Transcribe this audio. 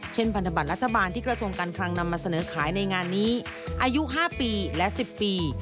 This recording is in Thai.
พันธบัตรรัฐบาลที่กระทรวงการคลังนำมาเสนอขายในงานนี้อายุ๕ปีและ๑๐ปี